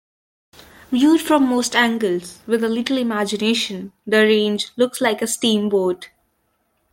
Viewed from most angles, with a little imagination, the range looks like a steamboat.